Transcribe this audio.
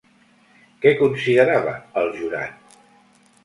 Què considerava el jurat?